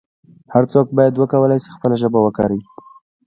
هر څوک باید وکولای شي خپله ژبه وکاروي.